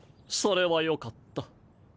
それはよかった。